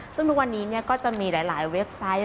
ซึ่งทุกวันนี้ก็จะมีหลายเว็บไซต์